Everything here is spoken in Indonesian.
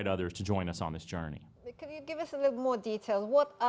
seperti banyak perusahaan yang membuat produk yang kita suka